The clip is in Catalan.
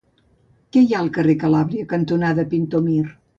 Què hi ha al carrer Calàbria cantonada Pintor Mir?